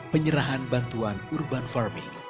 penyerahan bantuan urban farming